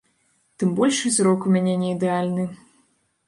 Тым больш, і зрок у мяне не ідэальны.